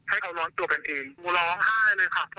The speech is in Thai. ช่วยปัดให้แล้วช่วยปกป้องให้แล้วยังจะมาเห่ามาสิกมากัดอีก